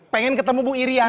pengen ketemu bu iryana